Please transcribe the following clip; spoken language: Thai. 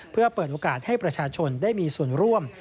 เพื่อเปิดโอกาสให้ประชาชนได้มีส่วนร่วม